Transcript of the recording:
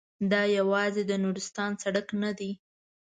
دا یوازې د نورستان سړک نه دی.